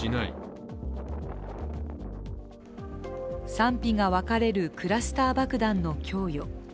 賛否が分かれるクラスター爆弾の供与。